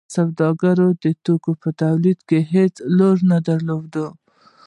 سوداګرو د توکو په تولید کې هیڅ رول نه درلود.